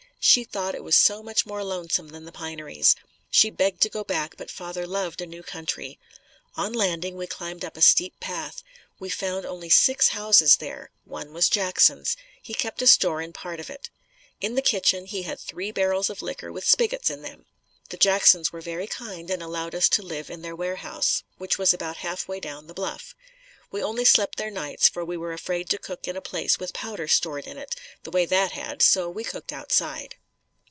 She thought it was so much more lonesome than the pineries. She begged to go back, but father loved a new country. On landing, we climbed up a steep path. We found only six houses there. One was Jackson's. He kept a store in part of it. In the kitchen he had three barrels of liquor with spigots in them. The Jackson's were very kind and allowed us to live in their warehouse which was about half way down the bluff. We only slept there nights for we were afraid to cook in a place with powder stored in it, the way that had, so we cooked outside.